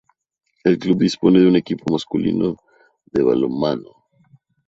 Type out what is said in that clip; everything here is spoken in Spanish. El club dispone de un equipo masculino de balonmano.